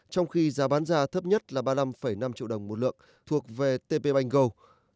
trong khi giá bán ra thấp nhất là ba mươi năm năm triệu đồng một lượng thuộc về tp ban go